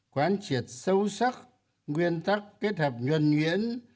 quán triệt sâu sắc nguyên tắc kết hợp nhuẩn nhuyễn